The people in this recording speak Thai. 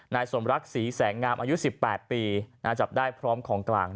นายสมรักษ์ศรีแสงอาลอายุสิบแปดปีนะฮะจับได้พร้อมของการฮะ